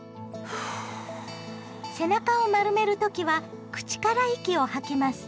背中を丸める時は口から息を吐きます。